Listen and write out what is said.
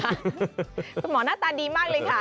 คุณหมอหน้าตาดีมากเลยค่ะ